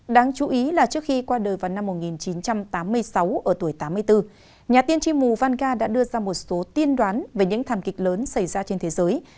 đáng chú ý là trước khi qua đời vào năm một nghìn chín trăm tám mươi sáu ở tuổi tám mươi bốn nhà tiên chi mù vanca đã đưa ra một số tin đoán về những thảm kịch lớn xảy ra trên thế giới